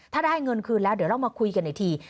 ถ้าได้เงินคืนแล้วเดี๋ยวเรามาคุยกันอีกที